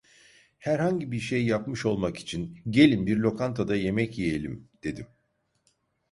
Herhangi bir şey yapmış olmak için: "Gelin, bir lokantada yemek yiyelim!" dedim.